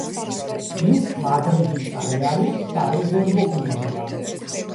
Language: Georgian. ის მადრიდის რეალის სარეზერვო გუნდია.